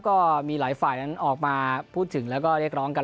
ก็มีหลายฝ่ายนั้นออกมาพูดถึงแล้วก็เรียกร้องกัน